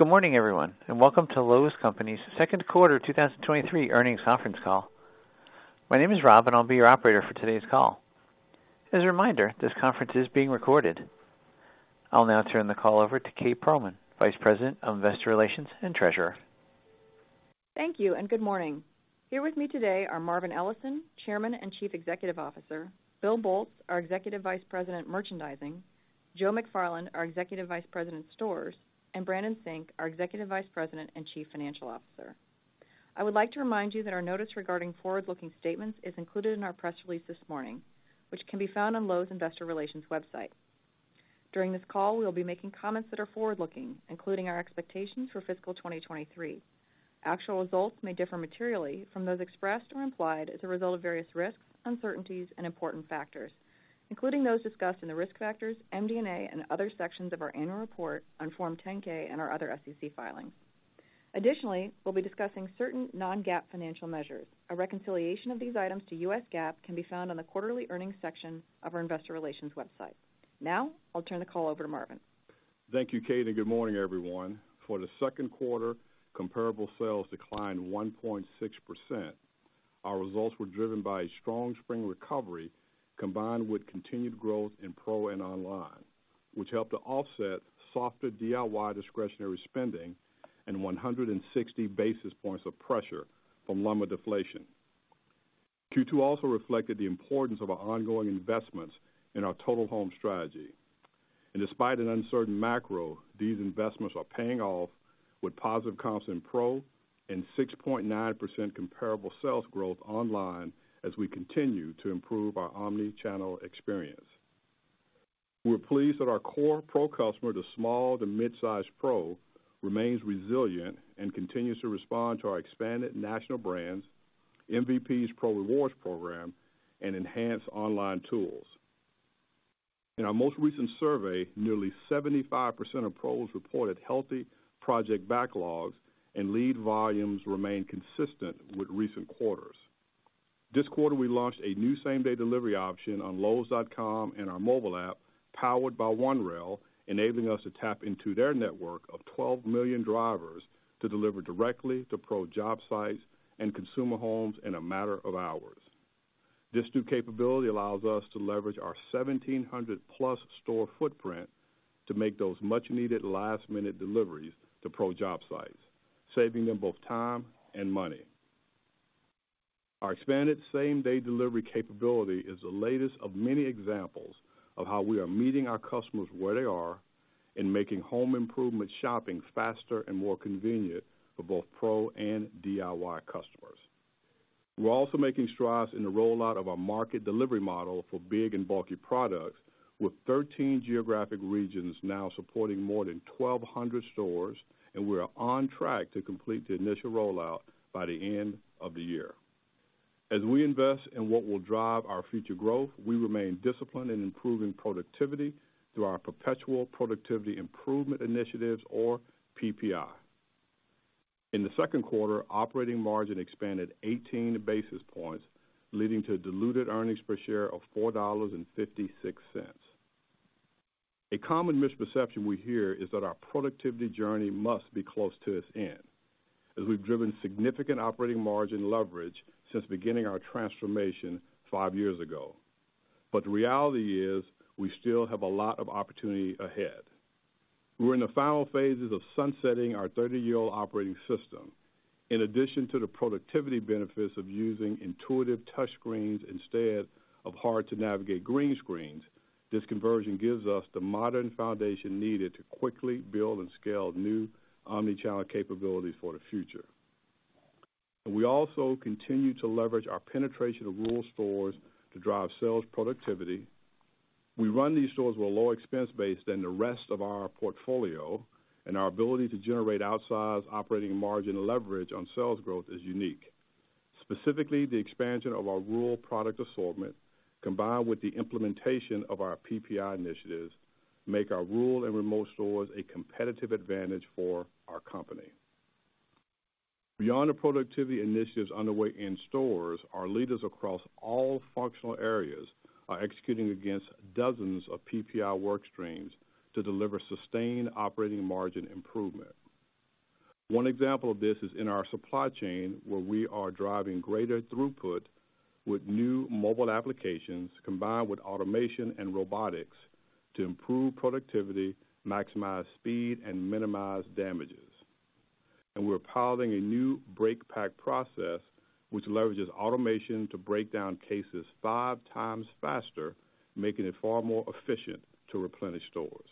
Good morning, everyone, and welcome to Lowe's Companies' Second Quarter 2023 Earnings Conference Call. My name is Rob, and I'll be your operator for today's call. As a reminder, this conference is being recorded. I'll now turn the call over to Kate Pearlman, Vice President of Investor Relations and Treasurer. Thank you, and good morning. Here with me today are Marvin Ellison, Chairman and Chief Executive Officer, Bill Boltz, our Executive Vice President, Merchandising, Joe McFarland, our Executive Vice President, Stores, and Brandon Sink, our Executive Vice President and Chief Financial Officer. I would like to remind you that our notice regarding forward-looking statements is included in our press release this morning, which can be found on Lowe's Investor Relations website. During this call, we'll be making comments that are forward-looking, including our expectations for fiscal 2023. Actual results may differ materially from those expressed or implied as a result of various risks, uncertainties, and important factors, including those discussed in the risk factors, MD&A, and other sections of our annual report on Form 10-K and our other SEC filings. Additionally, we'll be discussing certain non-GAAP financial measures. A reconciliation of these items to U.S. GAAP can be found on the quarterly earnings section of our investor relations website. I'll turn the call over to Marvin. Thank you, Kate, and good morning, everyone. For the second quarter, comparable sales declined 1.6%. Our results were driven by a strong spring recovery, combined with continued growth in pro and online, which helped to offset softer DIY discretionary spending and 160 basis points of pressure from lumber deflation. Q2 also reflected the importance of our ongoing investments in our Total Home strategy. Despite an uncertain macro, these investments are paying off with positive comps in pro and 6.9% comparable sales growth online as we continue to improve our omni-channel experience. We're pleased that our core pro customer, the small to mid-size pro, remains resilient and continues to respond to our expanded national brands, MVPs Pro Rewards program, and enhanced online tools. In our most recent survey, nearly 75% of pros reported healthy project backlogs and lead volumes remain consistent with recent quarters. This quarter, we launched a new same-day delivery option on Lowes.com and our mobile app, powered by OneRail, enabling us to tap into their network of 12 million drivers to deliver directly to pro job sites and consumer homes in a matter of hours. This new capability allows us to leverage our 1,700+ store footprint to make those much-needed last-minute deliveries to pro job sites, saving them both time and money. Our expanded same-day delivery capability is the latest of many examples of how we are meeting our customers where they are and making home improvement shopping faster and more convenient for both pro and DIY customers. We're also making strides in the rollout of our market delivery model for big and bulky products, with 13 geographic regions now supporting more than 1,200 stores. We are on track to complete the initial rollout by the end of the year. As we invest in what will drive our future growth, we remain disciplined in improving productivity through our Perpetual Productivity Improvement initiatives or PPI. In the second quarter, operating margin expanded 18 basis points, leading to diluted earnings per share of $4.56. A common misperception we hear is that our productivity journey must be close to its end, as we've driven significant operating margin leverage since beginning our transformation five years ago. The reality is, we still have a lot of opportunity ahead. We're in the final phases of sunsetting our 30-year-old operating system. In addition to the productivity benefits of using intuitive touch screens instead of hard-to-navigate green screens, this conversion gives us the modern foundation needed to quickly build and scale new omnichannel capabilities for the future. We also continue to leverage our penetration of rural stores to drive sales productivity. We run these stores with a lower expense base than the rest of our portfolio, and our ability to generate outsized operating margin leverage on sales growth is unique. Specifically, the expansion of our rural product assortment, combined with the implementation of our PPI initiatives, make our rural and remote stores a competitive advantage for our company. Beyond the productivity initiatives underway in stores, our leaders across all functional areas are executing against dozens of PPI work streams to deliver sustained operating margin improvement. One example of this is in our supply chain, where we are driving greater throughput with new mobile applications, combined with automation and robotics to improve productivity, maximize speed, and minimize damages. We're piloting a new break pack process, which leverages automation to break down cases five times faster, making it far more efficient to replenish stores.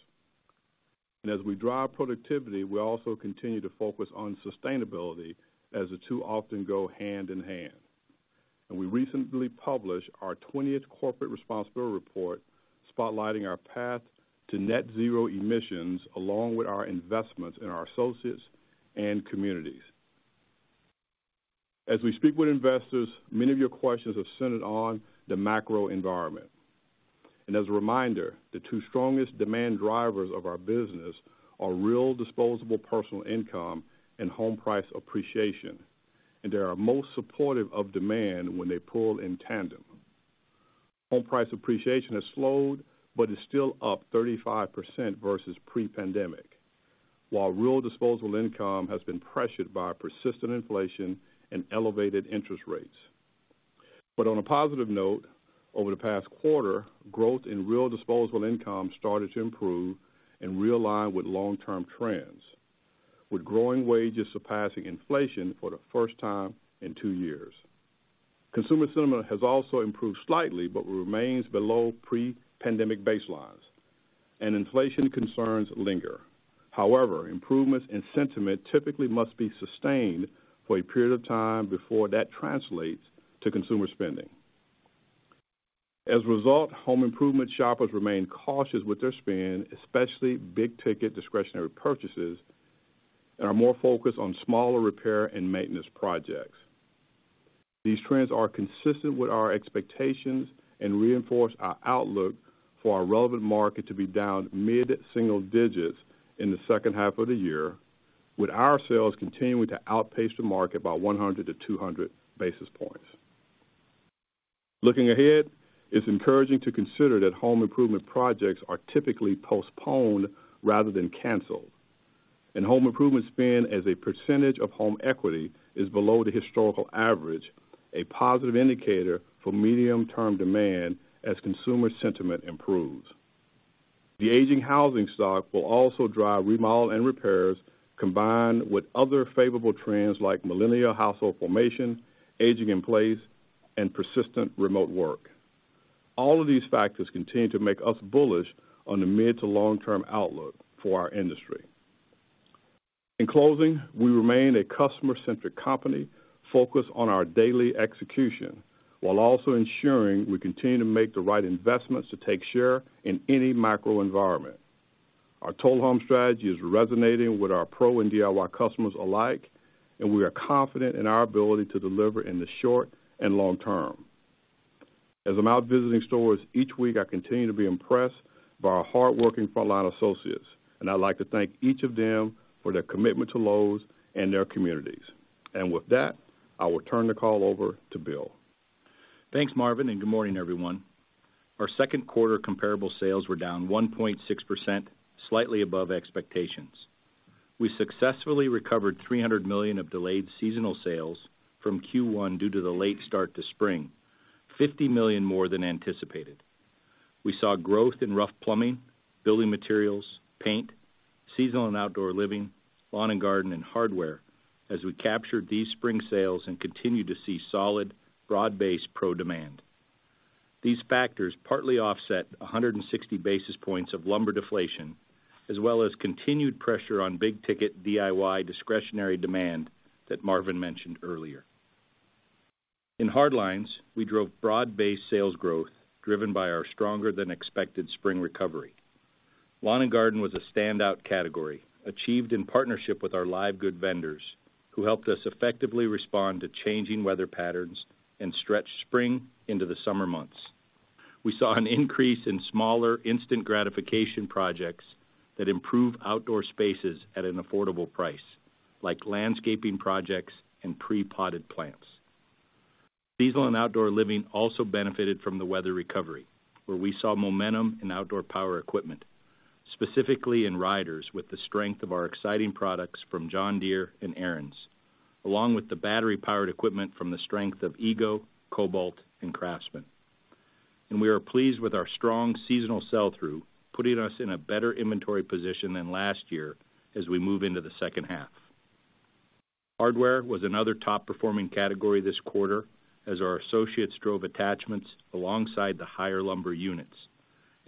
As we drive productivity, we also continue to focus on sustainability as the two often go hand in hand. We recently published our twentieth Corporate Responsibility Report, spotlighting our path to net zero emissions, along with our investments in our associates and communities. As we speak with investors, many of your questions are centered on the macro environment. As a reminder, the two strongest demand drivers of our business are real disposable personal income and home price appreciation, and they are most supportive of demand when they pull in tandem. Home price appreciation has slowed, but is still up 35% versus pre-pandemic, while real disposable income has been pressured by persistent inflation and elevated interest rates. On a positive note, over the past quarter, growth in real disposable income started to improve and realign with long-term trends, with growing wages surpassing inflation for the first time in two years. Consumer sentiment has also improved slightly, but remains below pre-pandemic baselines, and inflation concerns linger. However, improvements in sentiment typically must be sustained for a period of time before that translates to consumer spending. As a result, home improvement shoppers remain cautious with their spend, especially big-ticket discretionary purchases, and are more focused on smaller repair and maintenance projects. These trends are consistent with our expectations and reinforce our outlook for our relevant market to be down mid-single digits in the second half of the year, with our sales continuing to outpace the market by 100-200 basis points. Looking ahead, it's encouraging to consider that home improvement projects are typically postponed rather than canceled, and home improvement spend as a percentage of home equity is below the historical average, a positive indicator for medium-term demand as consumer sentiment improves. The aging housing stock will also drive remodel and repairs, combined with other favorable trends like millennial household formation, aging in place, and persistent remote work. All of these factors continue to make us bullish on the mid to long-term outlook for our industry. In closing, we remain a customer-centric company focused on our daily execution, while also ensuring we continue to make the right investments to take share in any macro environment. Our Total Home strategy is resonating with our pro and DIY customers alike. We are confident in our ability to deliver in the short and long term. As I'm out visiting stores each week, I continue to be impressed by our hardworking frontline associates, and I'd like to thank each of them for their commitment to Lowe's and their communities. With that, I will turn the call over to Bill. Thanks, Marvin. Good morning, everyone. Our second quarter comparable sales were down 1.6%, slightly above expectations. We successfully recovered $300 million of delayed seasonal sales from Q1 due to the late start to spring, $50 million more than anticipated. We saw growth in rough plumbing, building materials, paint, seasonal and outdoor living, lawn and garden, and hardware as we captured these spring sales and continued to see solid, broad-based pro demand. These factors partly offset 160 basis points of lumber deflation, as well as continued pressure on big-ticket DIY discretionary demand that Marvin mentioned earlier. In hard lines, we drove broad-based sales growth, driven by our stronger-than-expected spring recovery. Lawn and garden was a standout category, achieved in partnership with our live goods vendors, who helped us effectively respond to changing weather patterns and stretch spring into the summer months. We saw an increase in smaller, instant gratification projects that improve outdoor spaces at an affordable price, like landscaping projects and pre-potted plants. Seasonal and outdoor living also benefited from the weather recovery, where we saw momentum in outdoor power equipment, specifically in riders, with the strength of our exciting products from John Deere and AriensCo, along with the battery-powered equipment from the strength of EGO, Kobalt, and Craftsman. We are pleased with our strong seasonal sell-through, putting us in a better inventory position than last year as we move into the second half. Hardware was another top-performing category this quarter, as our associates drove attachments alongside the higher lumber units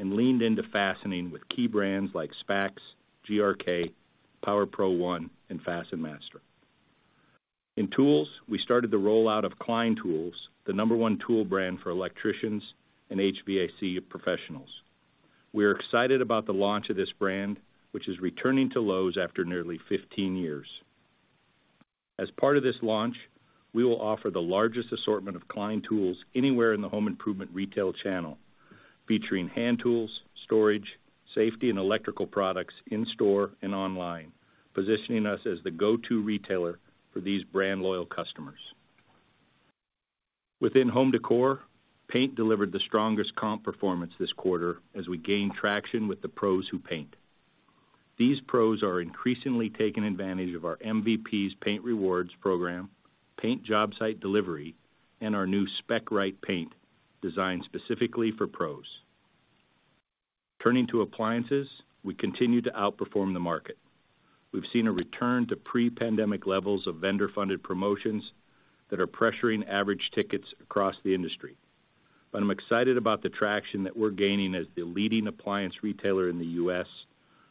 and leaned into fastening with key brands like SPAX, GRK, Power Pro One, and FastenMaster. In tools, we started the rollout of Klein Tools, the number one tool brand for electricians and HVAC professionals. We are excited about the launch of this brand, which is returning to Lowe's after nearly 15 years. Part of this launch, we will offer the largest assortment of Klein Tools anywhere in the home improvement retail channel, featuring hand tools, storage, safety, and electrical products in store and online, positioning us as the go-to retailer for these brand loyal customers. Within home decor, paint delivered the strongest comp performance this quarter as we gained traction with the pros who paint. These pros are increasingly taking advantage of our MVPs Pro Rewards program, paint job site delivery, and our new SpecRight paint, designed specifically for pros. Turning to appliances, we continue to outperform the market. We've seen a return to pre-pandemic levels of vendor-funded promotions that are pressuring average tickets across the industry. I'm excited about the traction that we're gaining as the leading appliance retailer in the U.S.,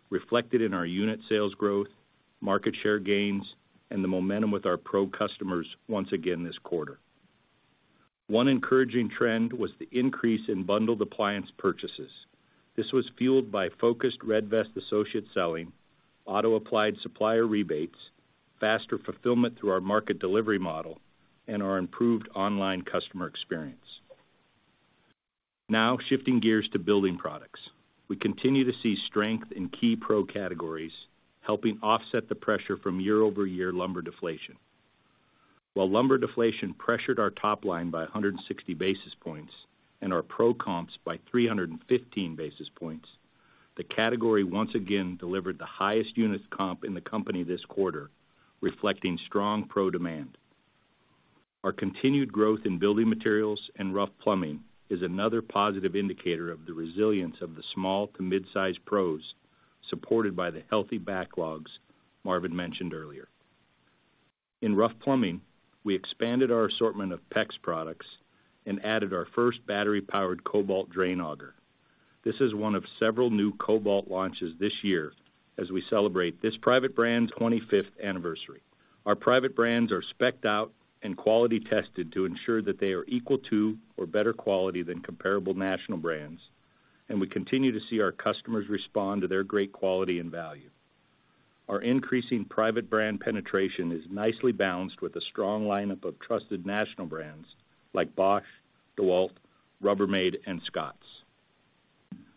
reflected in our unit sales growth, market share gains, and the momentum with our pro customers once again this quarter. One encouraging trend was the increase in bundled appliance purchases. This was fueled by focused Red Vest associate selling, auto-applied supplier rebates, faster fulfillment through our market delivery model, and our improved online customer experience. Shifting gears to building products. We continue to see strength in key pro categories, helping offset the pressure from year-over-year lumber deflation. Lumber deflation pressured our top line by 160 basis points and our pro comps by 315 basis points, the category once again delivered the highest unit comp in the company this quarter, reflecting strong pro demand. Our continued growth in building materials and rough plumbing is another positive indicator of the resilience of the small to mid-size pros, supported by the healthy backlogs Marvin mentioned earlier. In rough plumbing, we expanded our assortment of PEX products and added our first battery-powered Kobalt drain auger. This is one of several new Kobalt launches this year as we celebrate this private brand's 25th anniversary. Our private brands are spec'd out and quality tested to ensure that they are equal to or better quality than comparable national brands, and we continue to see our customers respond to their great quality and value. Our increasing private brand penetration is nicely balanced with a strong lineup of trusted national brands like Bosch, DeWalt, Rubbermaid and Scotts.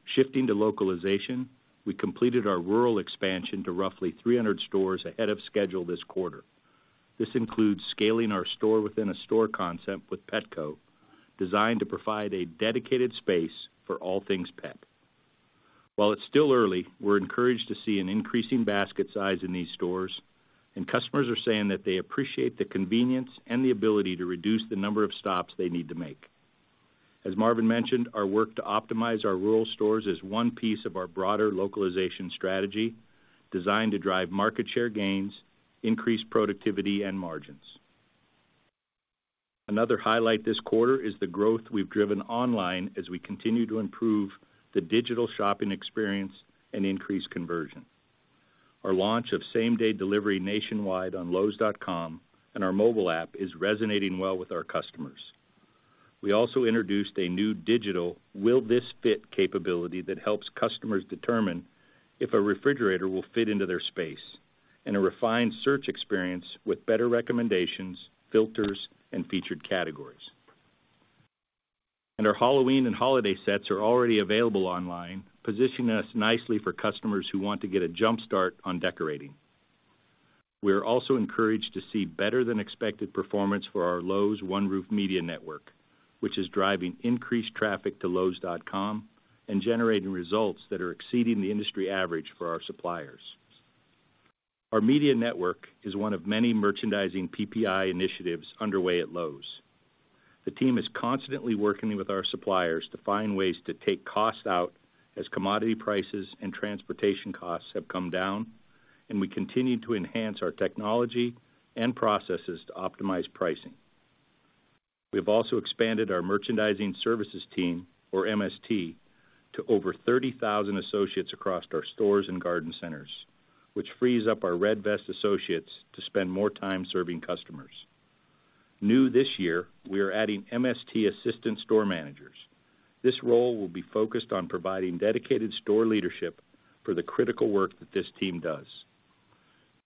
Shifting to localization, we completed our rural expansion to roughly 300 stores ahead of schedule this quarter. This includes scaling our store-within-a-store concept with Petco, designed to provide a dedicated space for all things pet. While it's still early, we're encouraged to see an increasing basket size in these stores, and customers are saying that they appreciate the convenience and the ability to reduce the number of stops they need to make. As Marvin mentioned, our work to optimize our rural stores is one piece of our broader localization strategy, designed to drive market share gains, increase productivity and margins. Another highlight this quarter is the growth we've driven online as we continue to improve the digital shopping experience and increase conversion. Our launch of same-day delivery nationwide on lowes.com and our mobile app is resonating well with our customers. We also introduced a new digital Will This Fit capability that helps customers determine if a refrigerator will fit into their space, and a refined search experience with better recommendations, filters, and featured categories. Our Halloween and holiday sets are already available online, positioning us nicely for customers who want to get a jump start on decorating. We are also encouraged to see better-than-expected performance for our Lowe's One Roof Media Network, which is driving increased traffic to lowes.com and generating results that are exceeding the industry average for our suppliers. Our media network is one of many merchandising PPI initiatives underway at Lowe's. The team is constantly working with our suppliers to find ways to take costs out as commodity prices and transportation costs have come down, and we continue to enhance our technology and processes to optimize pricing. We've also expanded our merchandising services team, or MST, to over 30,000 associates across our stores and garden centers, which frees up our Red Vest associates to spend more time serving customers. New this year, we are adding MST assistant store managers. This role will be focused on providing dedicated store leadership for the critical work that this team does.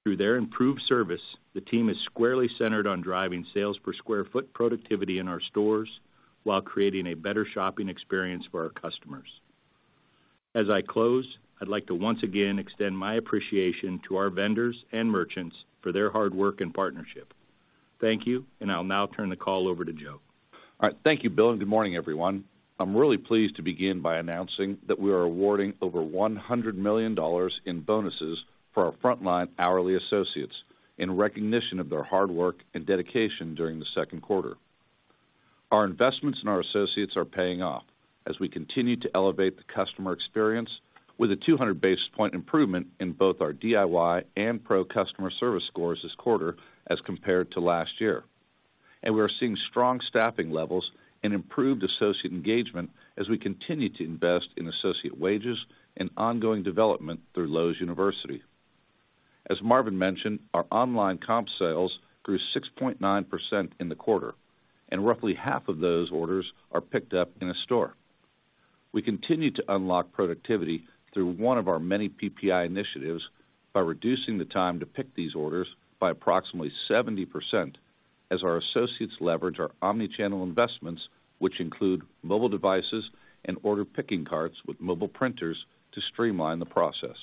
Through their improved service, the team is squarely centered on driving sales per square foot productivity in our stores while creating a better shopping experience for our customers. As I close, I'd like to once again extend my appreciation to our vendors and merchants for their hard work and partnership. Thank you. I'll now turn the call over to Joe. All right. Thank you, Bill, and good morning, everyone. I'm really pleased to begin by announcing that we are awarding over $100 million in bonuses for our frontline hourly associates in recognition of their hard work and dedication during the second quarter. Our investments in our associates are paying off as we continue to elevate the customer experience with a 200 basis point improvement in both our DIY and Pro customer service scores this quarter as compared to last year. We are seeing strong staffing levels and improved associate engagement as we continue to invest in associate wages and ongoing development through Lowe's University. As Marvin mentioned, our online comp sales grew 6.9% in the quarter, and roughly half of those orders are picked up in a store. We continue to unlock productivity through one of our many PPI initiatives by reducing the time to pick these orders by approximately 70%, as our associates leverage our omni-channel investments, which include mobile devices and order-picking carts with mobile printers to streamline the process.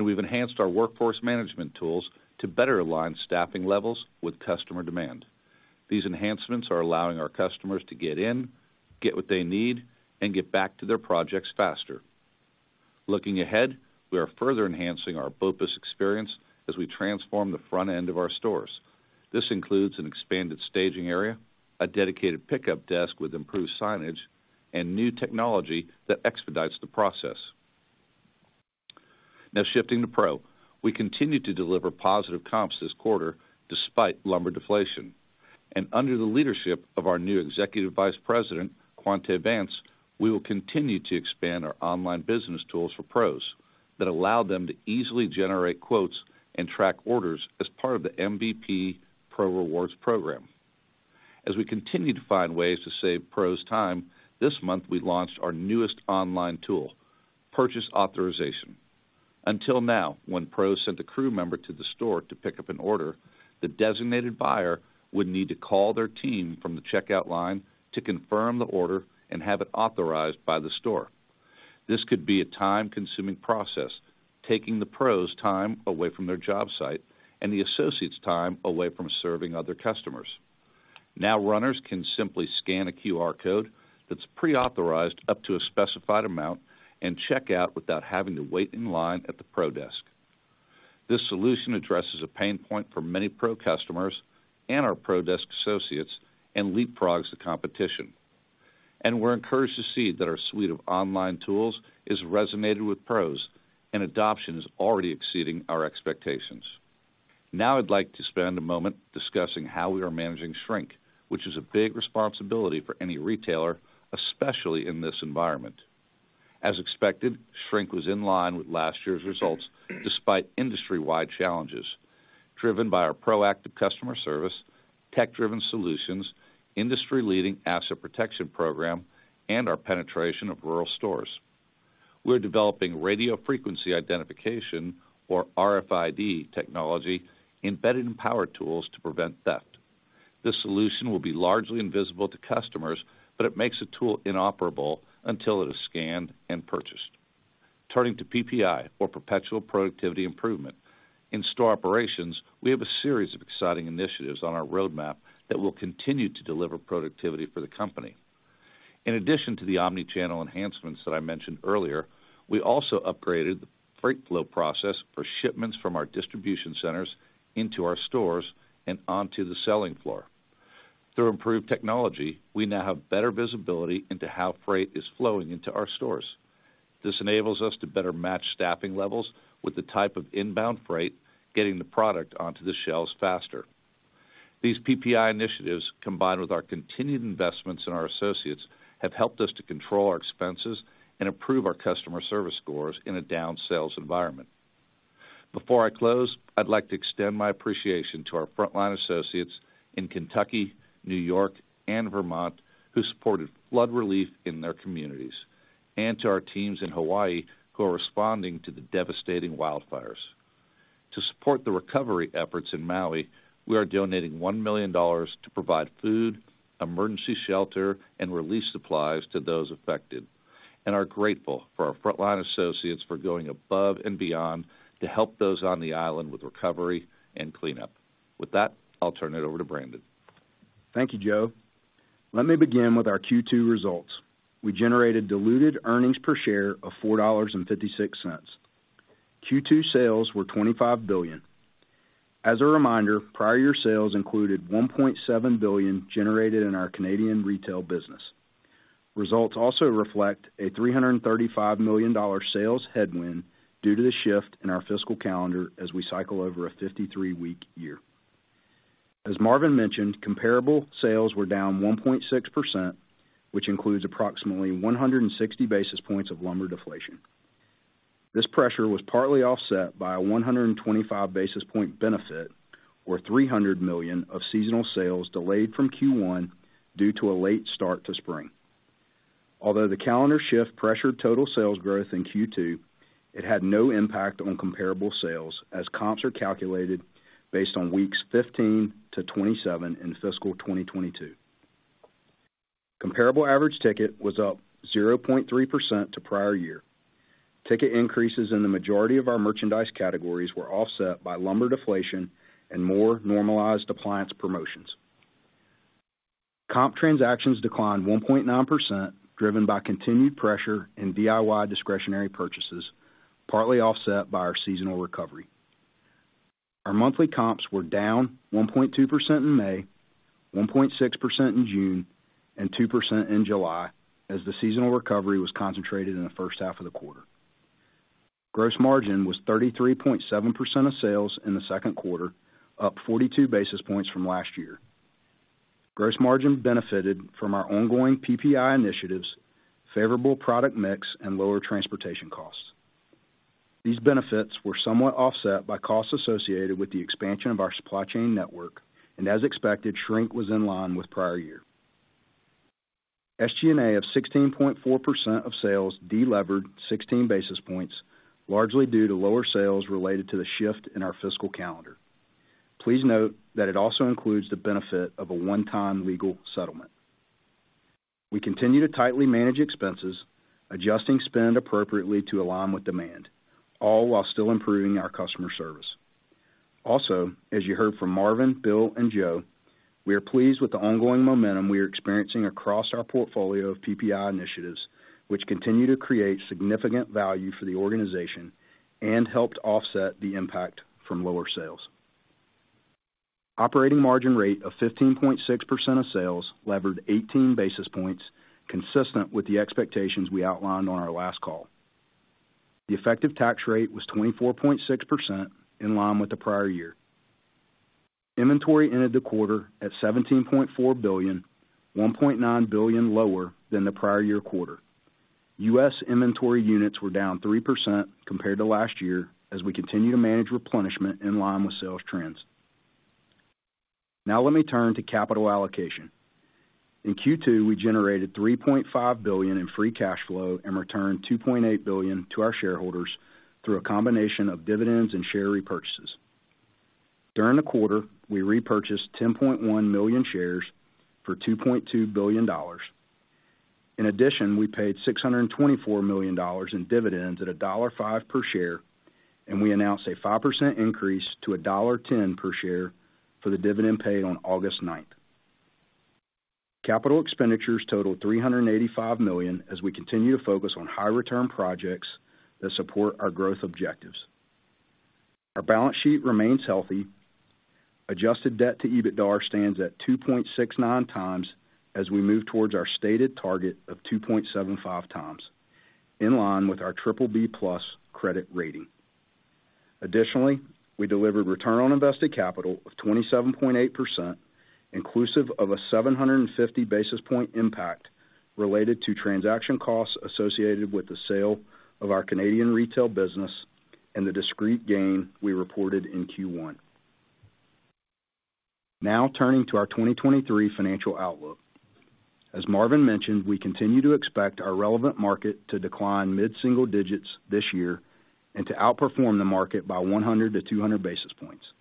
We've enhanced our workforce management tools to better align staffing levels with customer demand. These enhancements are allowing our customers to get in, get what they need, and get back to their projects faster. Looking ahead, we are further enhancing our BOPUS experience as we transform the front end of our stores. This includes an expanded staging area, a dedicated pickup desk with improved signage, and new technology that expedites the process. Shifting to pro. We continue to deliver positive comps this quarter despite lumber deflation. Under the leadership of our new Executive Vice President, Quonta Vance, we will continue to expand our online business tools for pros that allow them to easily generate quotes and track orders as part of the MVPs Pro Rewards program. As we continue to find ways to save pros time, this month, we launched our newest online tool, Purchase Authorization. Until now, when pros sent a crew member to the store to pick up an order, the designated buyer would need to call their team from the checkout line to confirm the order and have it authorized by the store. This could be a time-consuming process, taking the pros time away from their job site and the associates time away from serving other customers. Runners can simply scan a QR code that's pre-authorized up to a specified amount and check out without having to wait in line at the Pro desk. This solution addresses a pain point for many Pro customers and our Pro desk associates. It leapfrogs the competition. We're encouraged to see that our suite of online tools is resonated with Pros, and adoption is already exceeding our expectations. I'd like to spend a moment discussing how we are managing shrink, which is a big responsibility for any retailer, especially in this environment. As expected, shrink was in line with last year's results, despite industry-wide challenges, driven by our proactive customer service, tech-driven solutions, industry-leading asset protection program, and our penetration of rural stores. We're developing radio frequency identification, or RFID technology, embedded in power tools to prevent theft. This solution will be largely invisible to customers, but it makes a tool inoperable until it is scanned and purchased. Turning to PPI, or Perpetual Productivity Improvement. In store operations, we have a series of exciting initiatives on our roadmap that will continue to deliver productivity for the company. In addition to the omni-channel enhancements that I mentioned earlier, we also upgraded the freight flow process for shipments from our distribution centers into our stores and onto the selling floor. Through improved technology, we now have better visibility into how freight is flowing into our stores. This enables us to better match staffing levels with the type of inbound freight, getting the product onto the shelves faster. These PPI initiatives, combined with our continued investments in our associates, have helped us to control our expenses and improve our customer service scores in a down sales environment. Before I close, I'd like to extend my appreciation to our frontline associates in Kentucky, New York, and Vermont, who supported flood relief in their communities, and to our teams in Hawaii, who are responding to the devastating wildfires. To support the recovery efforts in Maui, we are donating $1 million to provide food, emergency shelter, and relief supplies to those affected, and are grateful for our frontline associates for going above and beyond to help those on the island with recovery and cleanup. With that, I'll turn it over to Brandon. Thank you, Joe. Let me begin with our Q2 results. We generated diluted earnings per share of $4.56. Q2 sales were $25 billion. As a reminder, prior year sales included $1.7 billion generated in our Canadian retail business. Results also reflect a $335 million sales headwind due to the shift in our fiscal calendar as we cycle over a 53-week year. As Marvin mentioned, comparable sales were down 1.6%, which includes approximately 160 basis points of lumber deflation. This pressure was partly offset by a 125 basis point benefit, or $300 million, of seasonal sales delayed from Q1 due to a late start to spring. Although the calendar shift pressured total sales growth in Q2, it had no impact on comparable sales, as comps are calculated based on weeks 15 to 27 in fiscal 2022. Comparable average ticket was up 0.3% to prior year. Ticket increases in the majority of our merchandise categories were offset by lumber deflation and more normalized appliance promotions. Comp transactions declined 1.9%, driven by continued pressure in DIY discretionary purchases, partly offset by our seasonal recovery. Our monthly comps were down 1.2% in May, 1.6% in June, and 2% in July, as the seasonal recovery was concentrated in the first half of the quarter. Gross margin was 33.7% of sales in the second quarter, up 42 basis points from last year. Gross margin benefited from our ongoing PPI initiatives, favorable product mix, and lower transportation costs. These benefits were somewhat offset by costs associated with the expansion of our supply chain network, and as expected, shrink was in line with prior year. SG&A of 16.4% of sales delevered 16 basis points, largely due to lower sales related to the shift in our fiscal calendar. Please note that it also includes the benefit of a one-time legal settlement. We continue to tightly manage expenses, adjusting spend appropriately to align with demand, all while still improving our customer service. As you heard from Marvin, Bill, and Joe, we are pleased with the ongoing momentum we are experiencing across our portfolio of PPI initiatives, which continue to create significant value for the organization and helped offset the impact from lower sales. Operating margin rate of 15.6% of sales levered 18 basis points, consistent with the expectations we outlined on our last call. The effective tax rate was 24.6%, in line with the prior year. Inventory ended the quarter at $17.4 billion, $1.9 billion lower than the prior year quarter. U.S. inventory units were down 3% compared to last year as we continue to manage replenishment in line with sales trends. Now let me turn to capital allocation. In Q2, we generated $3.5 billion in free cash flow and returned $2.8 billion to our shareholders through a combination of dividends and share repurchases. During the quarter, we repurchased 10.1 million shares for $2.2 billion. In addition, we paid $624 million in dividends at $1.05 per share. We announced a 5% increase to $1.10 per share for the dividend paid on August 9th. Capital expenditures totaled $385 million as we continue to focus on high return projects that support our growth objectives. Our balance sheet remains healthy. Adjusted debt to EBITDA stands at 2.69x as we move towards our stated target of 2.75x, in line with our BBB+ credit rating. Additionally, we delivered return on invested capital of 27.8%, inclusive of a 750 basis point impact related to transaction costs associated with the sale of our Canadian retail business and the discrete gain we reported in Q1. Now, turning to our 2023 financial outlook. As Marvin mentioned, we continue to expect our relevant market to decline mid-single digits this year and to outperform the market by 100-200 basis points.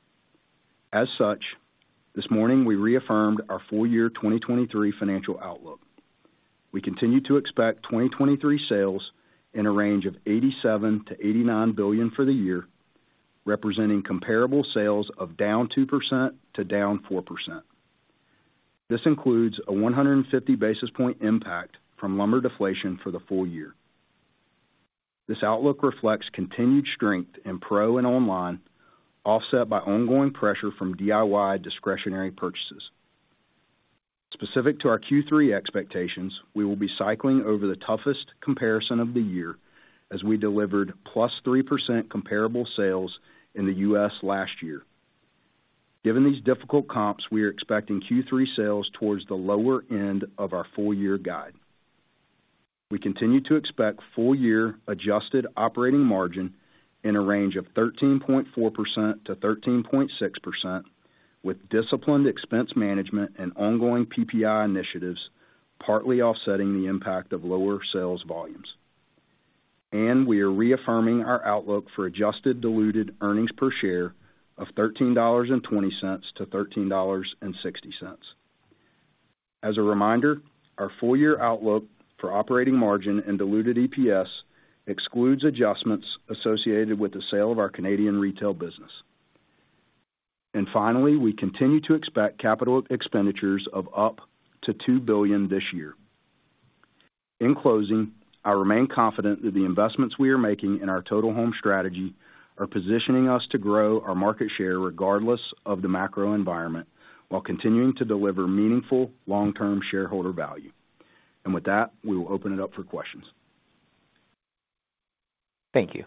As such, this morning, we reaffirmed our full year 2023 financial outlook. We continue to expect 2023 sales in a range of $87 billion-$89 billion for the year, representing comparable sales of down 2% to down 4%. This includes a 150 basis point impact from lumber deflation for the full year. This outlook reflects continued strength in Pro and online, offset by ongoing pressure from DIY discretionary purchases. Specific to our Q3 expectations, we will be cycling over the toughest comparison of the year as we delivered +3% comparable sales in the U.S. last year. Given these difficult comps, we are expecting Q3 sales towards the lower end of our full year guide. We continue to expect full year adjusted operating margin in a range of 13.4%-13.6%, with disciplined expense management and ongoing PPI initiatives, partly offsetting the impact of lower sales volumes. We are reaffirming our outlook for adjusted diluted earnings per share of $13.20-$13.60. As a reminder, our full year outlook for operating margin and diluted EPS excludes adjustments associated with the sale of our Canadian retail business. Finally, we continue to expect capital expenditures of up to $2 billion this year. In closing, I remain confident that the investments we are making in our Total Home strategy are positioning us to grow our market share regardless of the macro environment, while continuing to deliver meaningful long-term shareholder value. With that, we will open it up for questions. Thank you.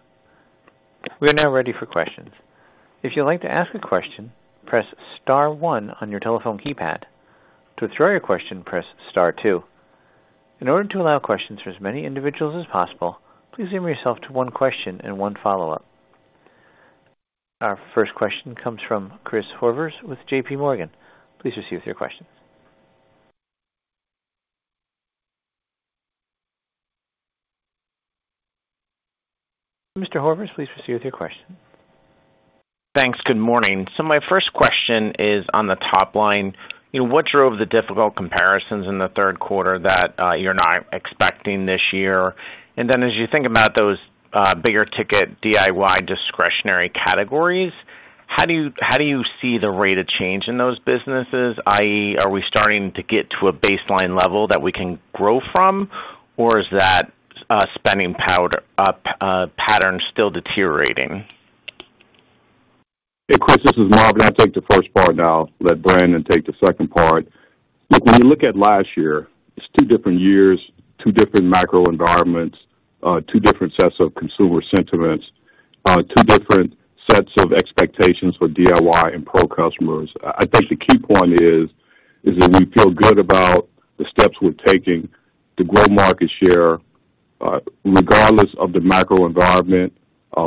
We are now ready for questions. If you'd like to ask a question, press star one on your telephone keypad. To withdraw your question, press star two. In order to allow questions for as many individuals as possible, please limit yourself to one question and one follow-up. Our first question comes from Christopher Horvers with JPMorgan. Please proceed with your questions. Mr. Horvers, please proceed with your question. Thanks. Good morning. My first question is on the top line. You know, what drove the difficult comparisons in the third quarter that you're not expecting this year? Then as you think about those bigger ticket DIY discretionary categories, how do you, how do you see the rate of change in those businesses? i.e., are we starting to get to a baseline level that we can grow from, or is that spending powder pattern still deteriorating? Hey, Chris, this is Marvin. I'll take the first part. I'll let Brandon take the second part. Look, when you look at last year, it's two different years, two different macro environments, two different sets of consumer sentiments, two different sets of expectations for DIY and Pro customers. I think the key point is, is that we feel good about the steps we're taking to grow market share. Regardless of the macro environment,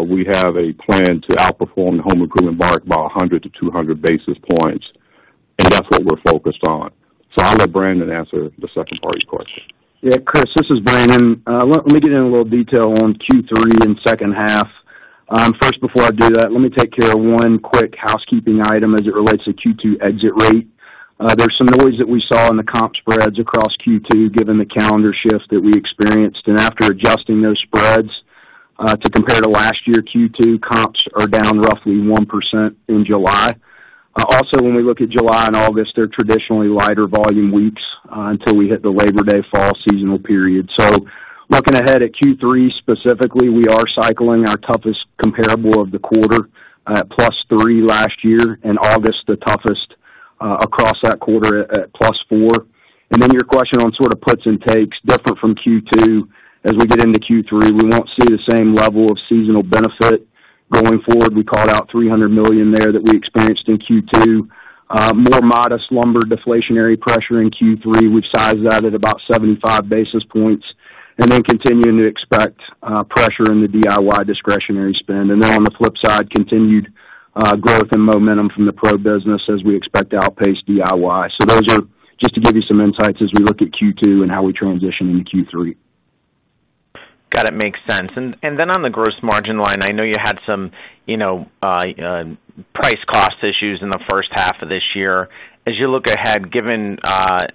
we have a plan to outperform the home improvement market by 100-200 basis points. That's what we're focused on. I'll let Brandon answer the second part of your question. Yeah, Chris, this is Brandon. Let me get in a little detail on Q3 and second half. First, before I do that, let me take care of one quick housekeeping item as it relates to Q2 exit rate. There's some noise that we saw in the comp spreads across Q2, given the calendar shift that we experienced. After adjusting those spreads, to compare to last year, Q2 comps are down roughly 1% in July. Also, when we look at July and August, they're traditionally lighter volume weeks, until we hit the Labor Day fall seasonal period. Looking ahead at Q3, specifically, we are cycling our toughest comparable of the quarter at +3 last year, and August, the toughest, across that quarter at +4. Then your question on sort of puts and takes, different from Q2. As we get into Q3, we won't see the same level of seasonal benefit going forward. We called out $300 million there that we experienced in Q2. More modest lumber deflationary pressure in Q3. We've sized that at about 75 basis points, continuing to expect pressure in the DIY discretionary spend. On the flip side, continued growth and momentum from the pro business as we expect to outpace DIY. Those are just to give you some insights as we look at Q2 and how we transition into Q3. Got it, makes sense. Then on the gross margin line, I know you had some, you know, price cost issues in the first half of this year. As you look ahead, given,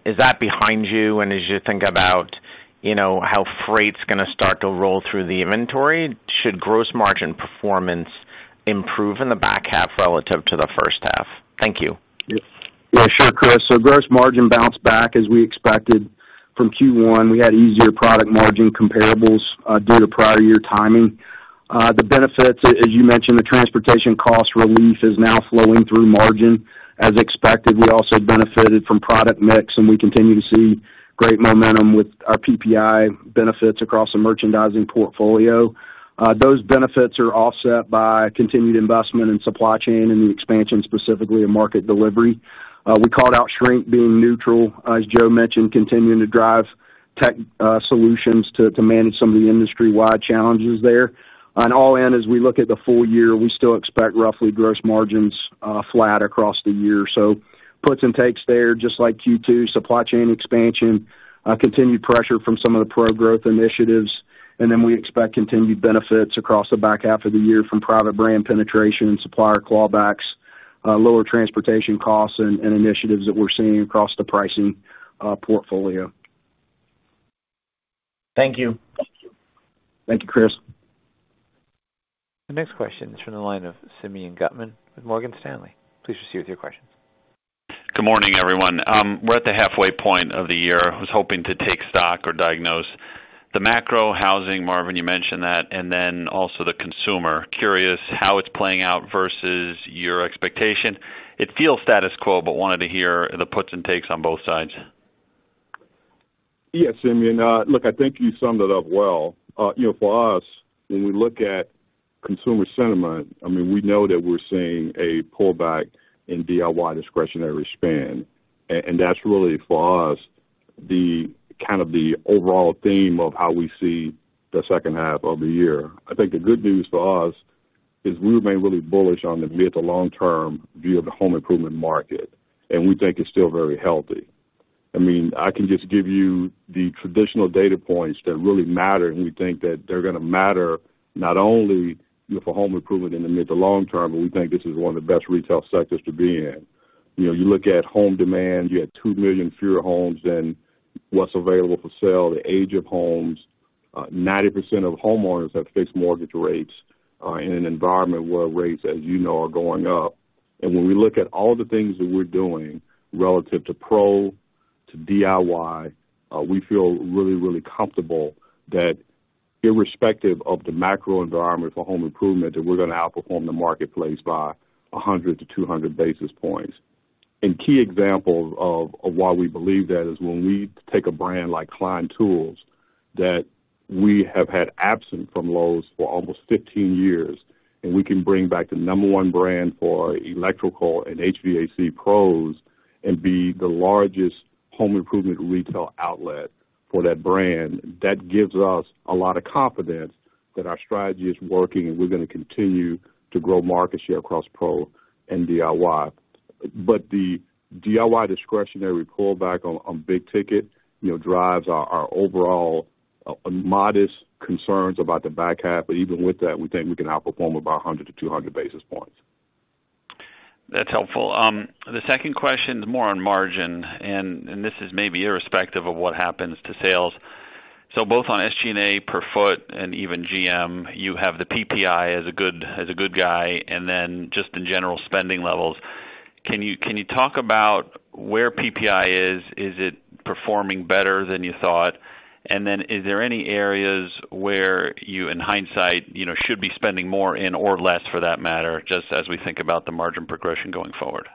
is that behind you? As you think about, you know, how freight's going to start to roll through the inventory, should gross margin performance improve in the back half relative to the first half? Thank you. Yeah, sure, Chris. Gross margin bounced back as we expected from Q1. We had easier product margin comparables due to prior year timing. The benefits, as you mentioned, the transportation cost relief is now flowing through margin. As expected, we also benefited from product mix, and we continue to see great momentum with our PPI benefits across the merchandising portfolio. Those benefits are offset by continued investment in supply chain and the expansion, specifically in market delivery. We called out shrink being neutral, as Joe mentioned, continuing to drive tech solutions to manage some of the industry-wide challenges there. On all end, as we look at the full year, we still expect roughly gross margins flat across the year. Puts and takes there, just like Q2, supply chain expansion, continued pressure from some of the pro-growth initiatives, and then we expect continued benefits across the back half of the year from private brand penetration and supplier clawbacks, lower transportation costs and, and initiatives that we're seeing across the pricing, portfolio. Thank you. Thank you, Chris. The next question is from the line of Simeon Gutman with Morgan Stanley. Please proceed with your question. Good morning, everyone. We're at the halfway point of the year. I was hoping to take stock or diagnose the macro housing, Marvin, you mentioned that, and then also the consumer. Curious how it's playing out versus your expectation. It feels status quo, but wanted to hear the puts and takes on both sides. Yes, Simeon, look, I think you summed it up well. You know, for us, when we look at consumer sentiment, I mean, we know that we're seeing a pullback in DIY discretionary spend, and that's really, for us, the kind of the overall theme of how we see the second half of the year. I think the good news for us is we remain really bullish on the mid to long term view of the home improvement market, and we think it's still very healthy. I mean, I can just give you the traditional data points that really matter, and we think that they're gonna matter not only, you know, for home improvement in the mid to long term, but we think this is one of the best retail sectors to be in. You know, you look at home demand, you have 2 million fewer homes than what's available for sale, the age of homes. 90% of homeowners have fixed mortgage rates in an environment where rates, as you know, are going up. When we look at all the things that we're doing relative to Pro, to DIY, we feel really, really comfortable that irrespective of the macro environment for home improvement, that we're gonna outperform the marketplace by 100-200 basis points. Key examples of why we believe that is when we take a brand like Klein Tools, that we have had absent from Lowe's for almost 15 years, and we can bring back the number one brand for electrical and HVAC pros, and be the largest home improvement retail outlet for that brand, that gives us a lot of confidence that our strategy is working, and we're gonna continue to grow market share across pro and DIY. The DIY discretionary pullback on big ticket, you know, drives our overall modest concerns about the back half. Even with that, we think we can outperform about 100 to 200 basis points. That's helpful. The second question is more on margin, and, and this is maybe irrespective of what happens to sales. Both on SG&A per foot and even GM, you have the PPI as a good, as a good guy, and then just in general, spending levels. Can you, can you talk about where PPI is? Is it performing better than you thought? Is there any areas where you, in hindsight, you know, should be spending more in or less for that matter, just as we think about the margin progression going forward?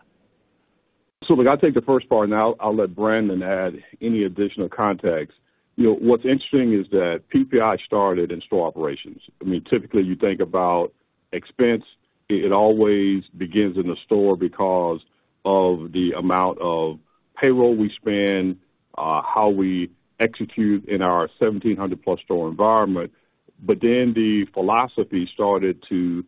Look, I'll take the first part, and I'll, I'll let Brandon add any additional context. You know, what's interesting is that PPI started in store operations. I mean, typically, you think about expense, it, it always begins in the store because of the amount of payroll we spend, how we execute in our 1,700-plus store environment. Then the philosophy started to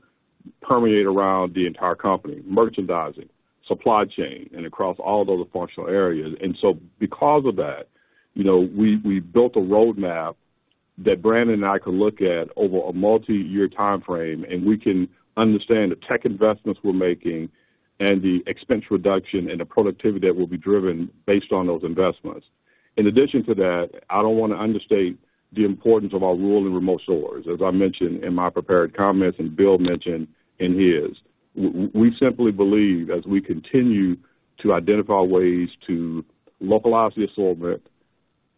permeate around the entire company, merchandising, supply chain, and across all those functional areas. Because of that, you know, we, we built a roadmap that Brandon and I can look at over a multiyear timeframe, and we can understand the tech investments we're making and the expense reduction and the productivity that will be driven based on those investments. In addition to that, I don't want to understate the importance of our rural and remote stores, as I mentioned in my prepared comments and Bill mentioned in his. We simply believe, as we continue to identify ways to localize the assortment,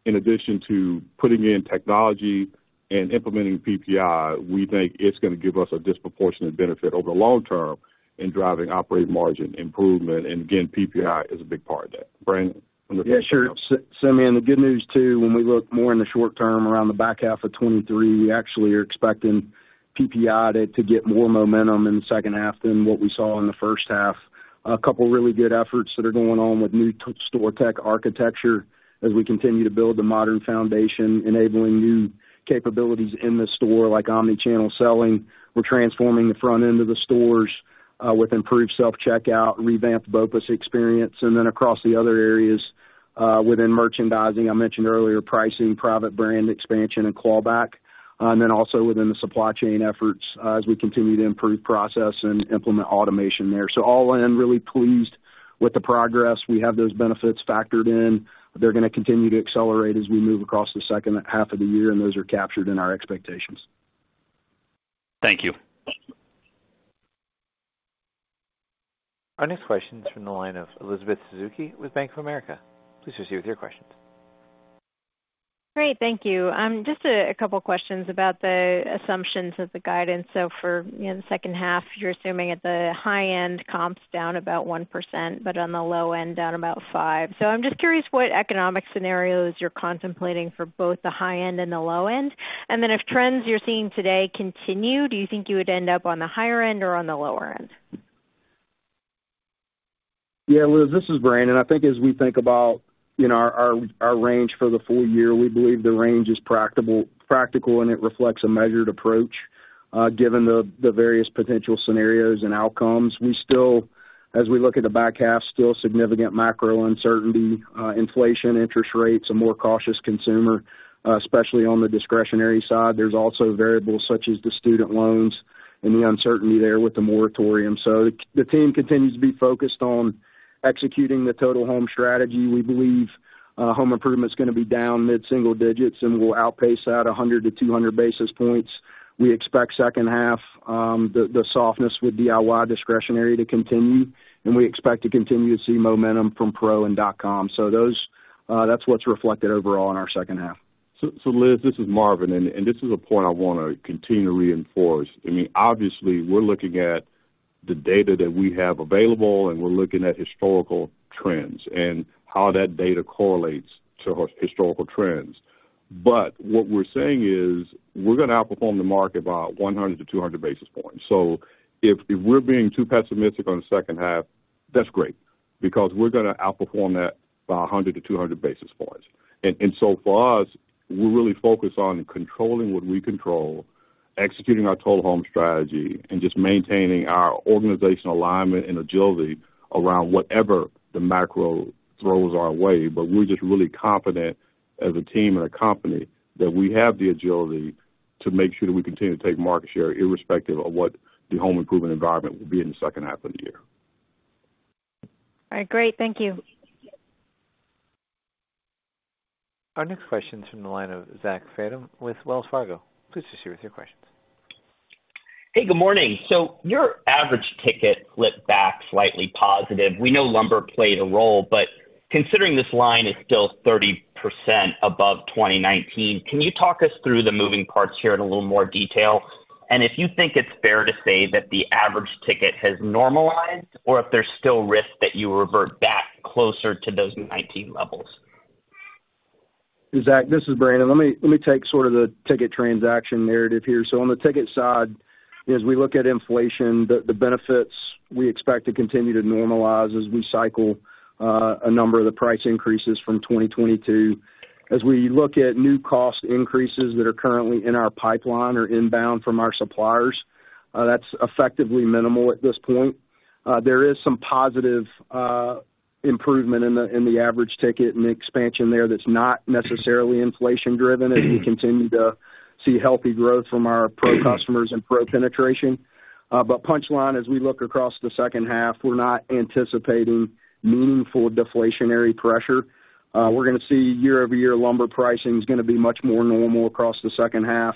in addition to putting in technology and implementing PPI, we think it's gonna give us a disproportionate benefit over the long term in driving operating margin improvement, and again, PPI is a big part of that. Brandon? Yeah, sure. Simeon, the good news, too, when we look more in the short term, around the back half of 2023, we actually are expecting PPI to get more momentum in the second half than what we saw in the first half. A couple of really good efforts that are going on with new store tech architecture as we continue to build the modern foundation, enabling new capabilities in the store, like omni-channel selling. We're transforming the front end of the stores, with improved self-checkout, revamped BOPUS experience, and then across the other areas, within merchandising, I mentioned earlier, pricing, private brand expansion and clawback. So all in, really pleased with the progress. We have those benefits factored in. They're going to continue to accelerate as we move across the second half of the year. Those are captured in our expectations. Thank you. Our next question is from the line of Elizabeth Suzuki with Bank of America. Please proceed with your questions. Great, thank you. Just a couple questions about the assumptions of the guidance. For, you know, the second half, you're assuming at the high end, comps down about 1%, but on the low end, down about 5%. I'm just curious what economic scenarios you're contemplating for both the high end and the low end. Then if trends you're seeing today continue, do you think you would end up on the higher end or on the lower end? Yeah, Liz, this is Brandon. I think as we think about our, our range for the full year, we believe the range is practical, and it reflects a measured approach, given the, the various potential scenarios and outcomes. We still, as we look at the back half, still significant macro uncertainty, inflation, interest rates, a more cautious consumer, especially on the discretionary side. There's also variables such as the student loans and the uncertainty there with the moratorium. So the, the team continues to be focused on executing the Total Home strategy. We believe home improvement is gonna be down mid-single digits, and we'll outpace that 100 to 200 basis points. We expect second half, the, the softness with DIY discretionary to continue, and we expect to continue to see momentum from pro and dot com. Those, that's what's reflected overall in our second half. Liz, this is Marvin, and this is a point I wanna continue to reinforce. I mean, obviously, we're looking at the data that we have available, and we're looking at historical trends and how that data correlates to historical trends. What we're saying is, we're gonna outperform the market by 100 to 200 basis points. If, if we're being too pessimistic on the second half, that's great, because we're gonna outperform that by 100 to 200 basis points. For us, we're really focused on controlling what we control, executing our Total Home strategy, and just maintaining our organizational alignment and agility around whatever the macro throws our way. We're just really confident as a team and a company that we have the agility to make sure that we continue to take market share, irrespective of what the home improvement environment will be in the second half of the year. All right. Great. Thank you. Our next question is from the line of Zachary Fadem with Wells Fargo. Please proceed with your questions. Hey, good morning. Your average ticket slipped back slightly positive. We know lumber played a role, considering this line is still 30% above 2019, can you talk us through the moving parts here in a little more detail? If you think it's fair to say that the average ticket has normalized, or if there's still risk that you revert back closer to those 2019 levels. Zach, this is Brandon. Let me, let me take sort of the ticket transaction narrative here. On the ticket side, as we look at inflation, the, the benefits we expect to continue to normalize as we cycle a number of the price increases from 2022. As we look at new cost increases that are currently in our pipeline or inbound from our suppliers, that's effectively minimal at this point. There is some positive improvement in the, in the average ticket and the expansion there that's not necessarily inflation driven, as we continue to see healthy growth from our Pro customers and Pro penetration. Punchline, as we look across the second half, we're not anticipating meaningful deflationary pressure. We're gonna see year-over-year lumber pricing is gonna be much more normal across the second half.